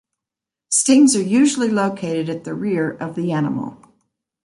Stings are usually located at the rear of the animal.